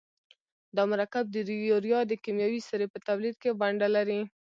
دا مرکب د یوریا د کیمیاوي سرې په تولید کې ونډه لري.